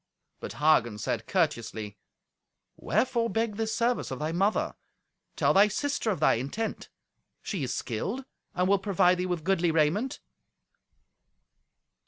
But Hagen said courteously, "Wherefore beg this service of thy mother? Tell thy sister of thy intent. She is skilled, and will provide thee with goodly raiment."